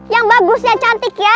yang bagus yang cantik ya